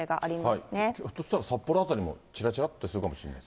ひょっとしたら札幌辺りもちらちらっとするかもしれない。